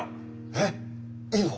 えっいいの？